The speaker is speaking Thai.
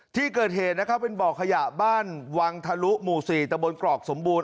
ที่เกิดเหตุนะครับเป็นบ่อขยะบ้านวังทะลุหมู่๔ตะบนกรอกสมบูรณ